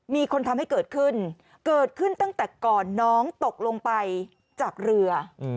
มีคนทำให้เกิดขึ้นเกิดขึ้นตั้งแต่ก่อนน้องตกลงไปจากเรือ